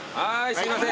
すいません